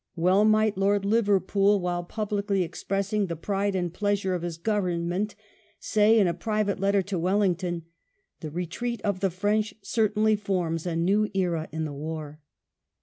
Well might Lord Liverpool, while publicly expressing the pride and pleasure of his Government, say in a private letter to Wellington, "The retreat of the French certainly forms a new era in the war."